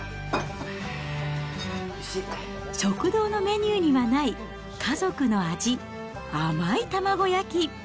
食堂のメニューにはない家族の味、甘い卵焼き。